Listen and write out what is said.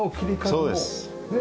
そうです。